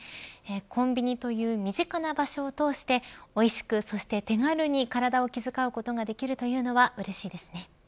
コンビニという身近な場所を通しておいしく、そして手軽に体を気遣うことができるというのはうれしいですね。